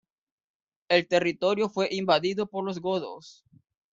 El territorio fue invadido por los godos.